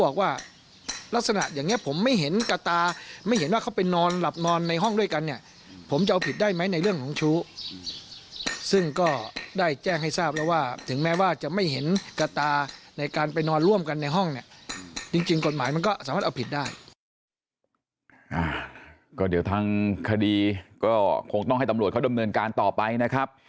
ก็เดี๋ยวทางคดีก็คงต้องให้ตำรวจเขาดำเนินการต่อไปนะครับ